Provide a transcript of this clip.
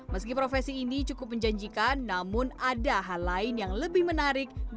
meski profesi ini cukup menjanjikan namun ada hal lain yang lebih menarik